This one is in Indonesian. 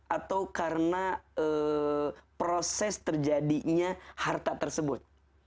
atau karena proses terjadinya harta tersebut